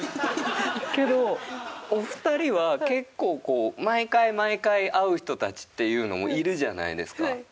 けどお二人は結構毎回毎回会う人たちっていうのもいるじゃないですか。